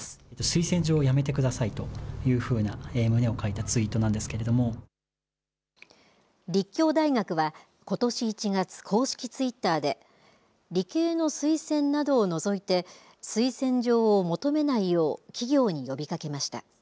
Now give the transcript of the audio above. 推薦状をやめてくださいというふうな旨を書いた立教大学はことし１月、公式ツイッターで理系の推薦などを除いて推薦状を求めないよう企業に呼びかけました。